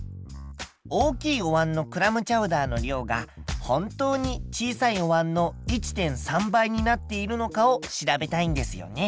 大きいおわんのクラムチャウダーの量が本当に小さいおわんの１．３倍になっているのかを調べたいんですよね。